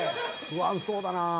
不安そうだな。